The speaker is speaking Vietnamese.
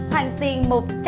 hoàn tiền một trăm linh